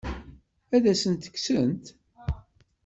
Ad asent-tt-kksent?